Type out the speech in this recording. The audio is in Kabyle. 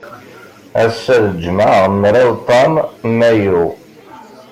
Ass-a d ljemɛa, mraw tam Mayu.